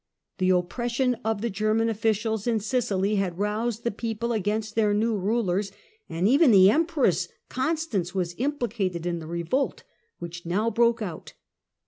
Thef^y^'^' oppression of the German officials in Sicily had roused the people against their new rulers, and even the Empress Constance was implicated in the revolt which now broke out.